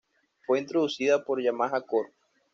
Fue introducida por Yamaha Corp.